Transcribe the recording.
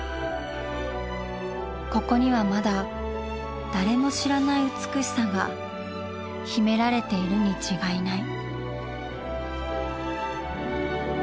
ここにはまだ誰も知らない美しさが秘められているに違いない。